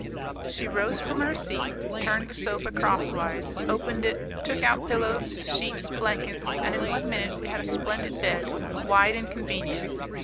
She rose from her seat, turned the sofa crosswise, opened it, took out pillows, sheets, blankets, and in one minute we had a splendid bed, wide and convenient.